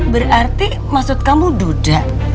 berarti maksud kamu duda